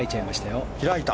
開いた。